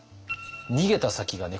逃げた先がね